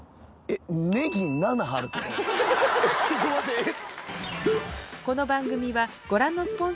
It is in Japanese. ちょっと待ってえっ？